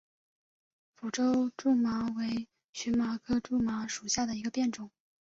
福州苎麻为荨麻科苎麻属下的一个变种。